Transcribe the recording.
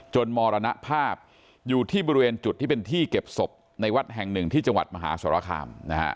มรณภาพอยู่ที่บริเวณจุดที่เป็นที่เก็บศพในวัดแห่งหนึ่งที่จังหวัดมหาสรคาม